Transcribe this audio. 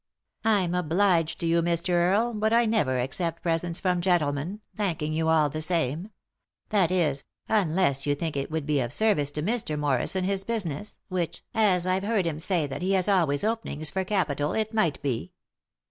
" I'm obliged to you, Mr. Earle, but I never accept presents from gentlemen, thanking you all the same ; that is, unless you think it would be of service to Mr. Morris in his business, which, as I've heard him say that he has always openings for capital, it might be."